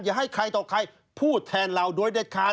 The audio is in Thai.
ให้ใครต่อใครพูดแทนเราโดยเด็ดขาด